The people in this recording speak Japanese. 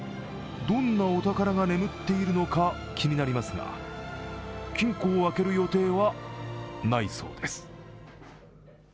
どんなお宝が眠っているのか気になりますが金庫を開ける予定はないそうです。